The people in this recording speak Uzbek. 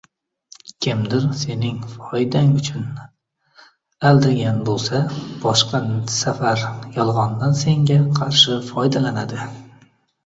Kimdir sening foydang uchun aldagan bo‘lsa, boshqa safar yolg‘ondan senga qarshi foydalanadi.